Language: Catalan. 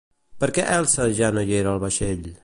Per què Elsa ja no hi era al vaixell?